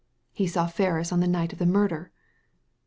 " He saw Ferris on the night of the murder